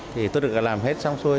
thì tuân trực đã làm hết xong xuôi